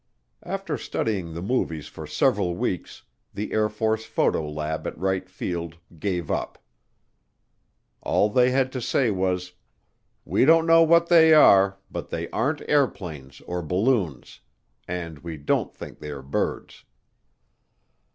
After studying the movies for several weeks, the Air Force photo lab at Wright Field gave up. All they had to say was, "We don't know what they are but they aren't airplanes or balloons, and we don't think they are birds."